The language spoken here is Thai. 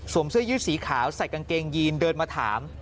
เสื้อยืดสีขาวใส่กางเกงยีนเดินมาถาม